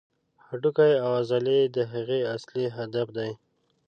هډوکي او عضلې د هغې اصلي هدف دي.